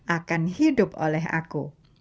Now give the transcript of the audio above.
akan hidup oleh aku